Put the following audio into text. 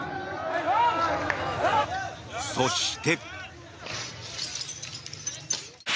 そして。